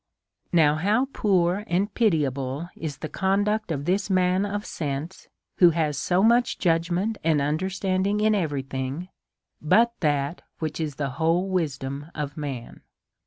Now, how poor and pitiable is the conduct of this man of sense, who has so much judgment and under standing in every thing but that which is the whole wisdom of man